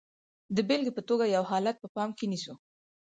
د بېلګې په توګه یو حالت په پام کې نیسو.